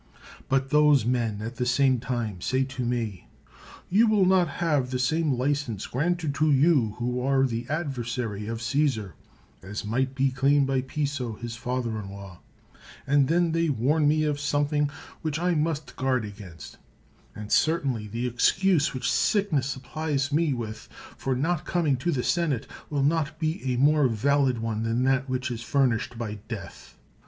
But those men, at the same time, say to me, '^You will not have the same ii ii 161 THE WORLD'S FAMOUS ORATIONS license granted to you who are the adversary of Caesar as might be claimed by Piso his father in law/' And then they warn me of something which I must guard against; and certainly, the excuse which sickness supplies me with, for not coming to the senate, will not be a more valid one than that which is furnished by death.